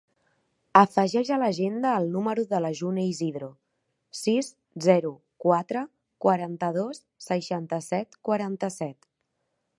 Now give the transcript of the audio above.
Afegeix a l'agenda el número de la June Isidro: sis, zero, quatre, quaranta-dos, seixanta-set, quaranta-set.